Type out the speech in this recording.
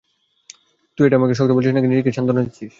তুই এটা আমাকে বলছিস নাকি নিজেকে শান্তনা দিচ্ছিস।